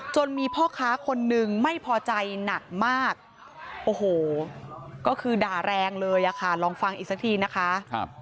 มีพ่อค้าคนนึงไม่พอใจหนักมากโอ้โหก็คือด่าแรงเลยอะค่ะลองฟังอีกสักทีนะคะ